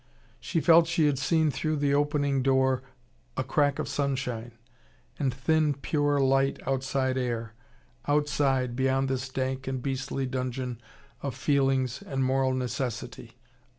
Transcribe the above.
She felt she had seen through the opening door a crack of sunshine, and thin, pure, light outside air, outside, beyond this dank and beastly dungeon of feelings and moral necessity.